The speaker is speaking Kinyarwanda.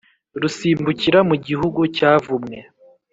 risimbukira mu gihugu cyavumwe,